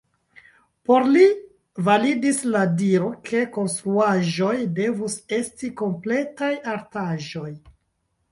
Por li validis la diro ke konstruaĵoj devus esti kompletaj artaĵoj.